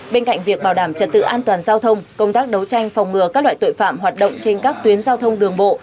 bên cạnh việc bảo đảm trật tự an toàn giao thông công tác đấu tranh phòng ngừa các loại tội phạm hoạt động trên các tuyến giao thông đường bộ